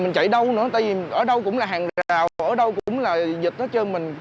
mình chạy đâu nữa tại vì ở đâu cũng là hàng rào ở đâu cũng là dịch nó trơn mình